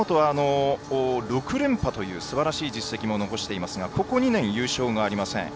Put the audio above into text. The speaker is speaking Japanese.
６連覇というすばらしい成績を残していますがここ２年優勝がありません。